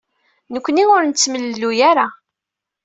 Nekkni ur nettemlelluy ara.